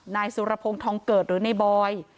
นายสุรพงศ์ทองเกิดหรือในบอย